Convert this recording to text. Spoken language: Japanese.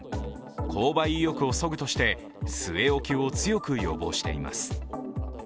購買意欲をそぐとして据え置きを強く要望しています。